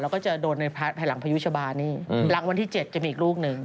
แล้วก็จะโดนในภายหลังพายุชบานี่หลังวันที่๗จะมีอีกลูกหนึ่ง